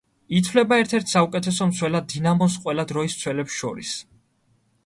ითვლება ერთ-ერთ საუკეთესო მცველად „დინამოს“ ყველა დროის მცველებს შორის.